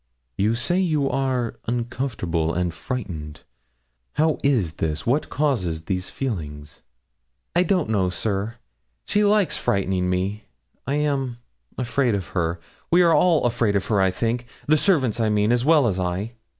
'You say you are uncomfortable and frightened. How is this what causes these feelings?' 'I don't know, sir; she likes frightening me; I am afraid of her we are all afraid of her, I think. The servants, I mean, as well as I.'